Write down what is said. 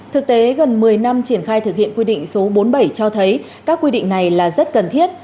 thực tế gần một mươi năm triển khai thực hiện quy định số bốn mươi bảy cho thấy các quy định này là rất cần thiết